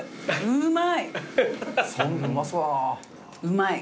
うまい。